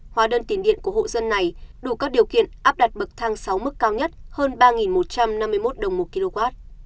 hóa đơn tiền điện của hộ dân này đủ các điều kiện áp đặt bậc thang sáu mức cao nhất hơn ba một trăm năm mươi một đồng một kw